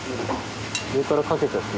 上からかけちゃっていい？